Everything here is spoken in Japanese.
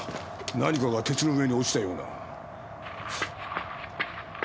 何かが鉄の上に落ちたような。